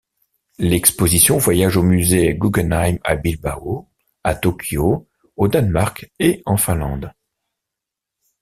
L'exposition voyage au Musée Guggenheim à Bilbao, à Tokyo, au Danemark et en Finlande.